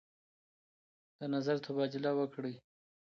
د نظر تبادله وکړئ.